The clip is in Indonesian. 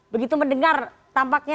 begitu mendengar tampaknya